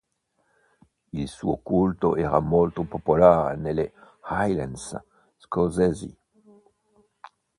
Il suo culto era molto popolare nelle Highlands scozzesi.